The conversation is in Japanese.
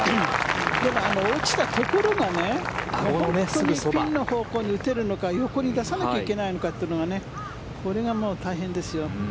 でも落ちたところがピンの方向に打てるのか横に出さなきゃいけないのかというのがこれがもう大変ですよ。